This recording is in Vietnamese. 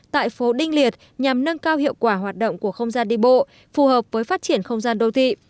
tại phố đinh liệt nhằm nâng cao hiệu quả hoạt động của không gian đi bộ phù hợp với phát triển không gian đô thị